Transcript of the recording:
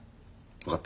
分かった。